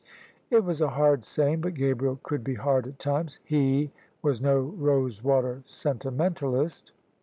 It was a hard saying: but Gabriel could be hard at times. He was no rose water sentimentalist.